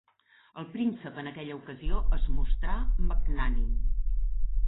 El príncep en aquella ocasió es mostrà magnànim.